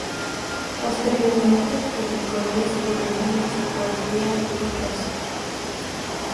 Posteriormente publicó diez volúmenes de poesía y de prosa.